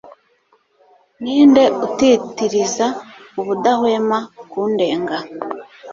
Ninde utitiriza ubudahwema kundenga